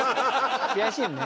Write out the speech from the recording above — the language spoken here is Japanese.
悔しいのね。